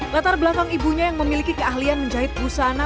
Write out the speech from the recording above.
latar belakang ibunya yang memiliki keahlian menjahit busana